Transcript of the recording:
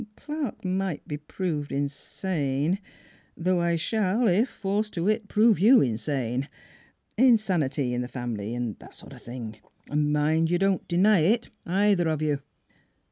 ... Clerk might be proved insane; though I shall, if forced to it, prove you insane. ... Insanity in the family, and that sort of thing. Mind you don't deny it, either of you."